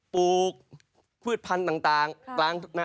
ปลูกพืชพันธุ์ต่าง